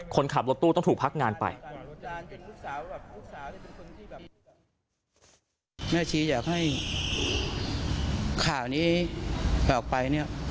คนขับรถตู้ต้องถูกพักงานไปเนี่ย